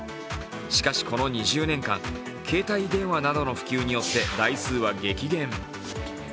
しかし、この２０年間、携帯電話などの普及によって台数は激減。